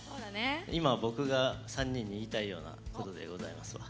今、僕が３人に言いたいようなことでございますわ。